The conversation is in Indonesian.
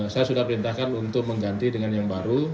saya sudah perintahkan untuk mengganti dengan yang baru